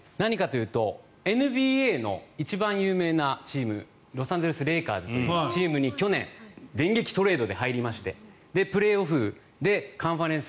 ＮＢＡの一番有名なチームロサンゼルス・レイカーズというチームに去年、電撃トレードで入りましてプレーオフでカンファレンス